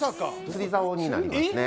釣りざおになりますね。